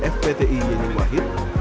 fpti yening wahid